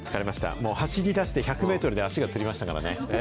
もう走りだして１００メートルで足がつりましたからね。